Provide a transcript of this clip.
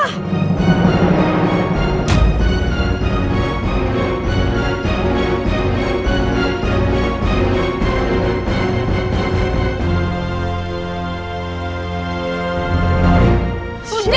siapa itu si mobilnya